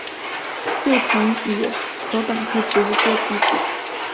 幼虫以禾本科植物作寄主。